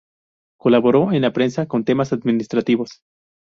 Colaboró en la prensa con temas administrativos.